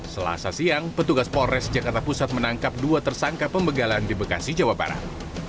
selasa siang petugas polres jakarta pusat menangkap dua tersangka pembegalan di bekasi jawa barat